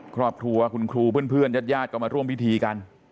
ครอบครัวคุณครูเพื่อนญาติญาติก็มาร่วมพิธีกัน